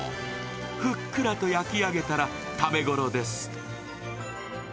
ふっくらと焼き上げたら、食べごろです。